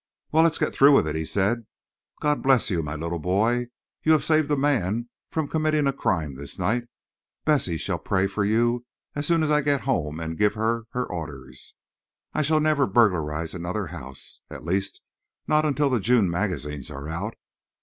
"Well, let's get through with it," he said. "God bless you, my little boy! you have saved a man from committing a crime this night. Bessie shall pray for you as soon as I get home and give her her orders. I shall never burglarize another house—at least not until the June magazines are out.